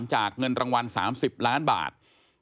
เงินรางวัล๓๐ล้านบาท